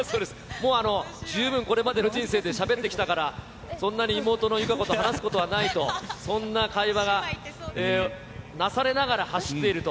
もう十分これまでの人生でしゃべってきたから、そんなに妹の友香子さん、話すことはないと、そんな会話がなされながら走っていると。